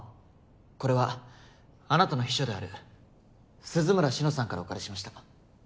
これはあなたの秘書である鈴村志乃さんからお借りしました。